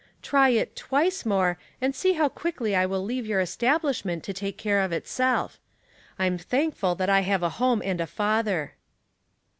*' Try it twice more, and see how quickly I will leave your establishment to take care of itself. ['m thankful that I have a home and a father."